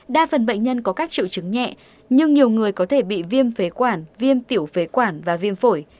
đa phần bệnh nhân có các triệu chứng nhẹ nhưng nhiều người có thể bị viêm phế quản viêm tiểu phế quản và viêm phổi